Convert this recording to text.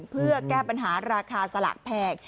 เพื่อแก้ปัญหาราคาสลากแพง